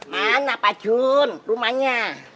mana pak jun rumahnya